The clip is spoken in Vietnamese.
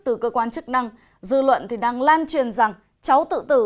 từ cơ quan chức năng dư luận thì đang lan truyền rằng cháu tự tử